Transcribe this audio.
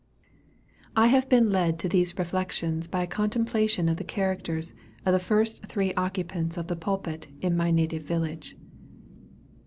I have been led to these reflections by a contemplation of the characters of the first three occupants of the pulpit in my native village.